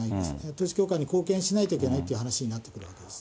統一教会に貢献しないといけないという話になってくるわけです。